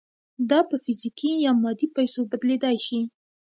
دا په فزیکي یا مادي پیسو بدلېدای شي